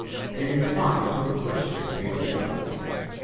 in reply to the question of a disciple.